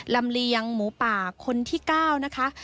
ลำเลียงหมูป่าคนที่๙นะคะ